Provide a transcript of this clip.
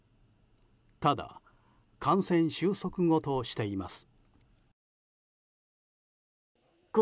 ただ、感染収束後としています。